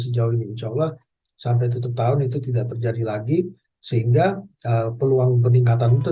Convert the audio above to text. sejauh ini insya allah sampai tutup tahun itu tidak terjadi lagi sehingga peluang peningkatan itu